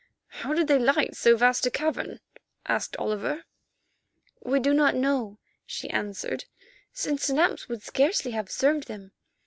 "How did they light so vast a cavern?" asked Oliver. "We do not know," she answered, "since lamps would scarcely have served them.